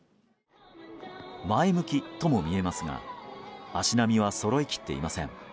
前向きとも見えますが足並みはそろいきっていません。